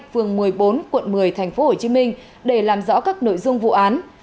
phường một mươi bốn quận một mươi tp hcm để làm rõ các nội dung vụ án